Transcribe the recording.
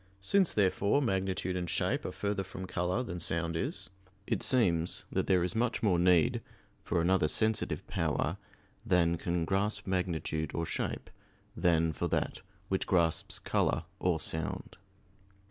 Since, therefore, magnitude and shape are further from color than sound is, it seems that there is much more need for another sensitive power than can grasp magnitude or shape than for that which grasps color or sound.